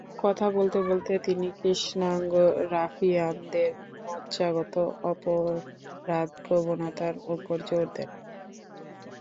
কথা বলতে বলতে তিনি কৃষ্ণাঙ্গ রাফিয়ানদের মজ্জাগত অপরাধপ্রবণতার ওপর জোর দেন।